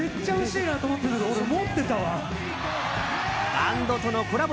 バンドとのコラボ